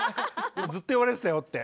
ずっと言われてたよって。